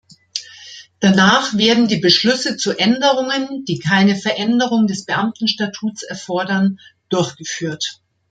Danach werden die Beschlüsse zu Änderungen, die keine Veränderung des Beamtenstatuts erfordern, durchgeführt.